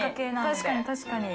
確かに確かに。